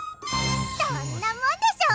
どんなもんでしょ！